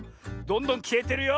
どんどんきえてるよ！